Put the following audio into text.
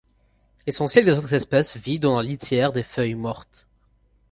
L'essentiel des autres espèces vit dans la litière des feuilles mortes.